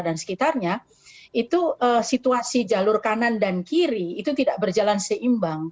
dan sekitarnya situasi jalur kanan dan kiri itu tidak berjalan seimbang